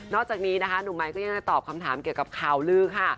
จากนี้นะคะหนุ่มไม้ก็ยังได้ตอบคำถามเกี่ยวกับข่าวลือค่ะ